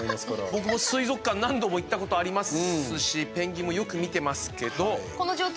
僕も水族館何度も行ったことありますしペンギンも、よく見てますけど。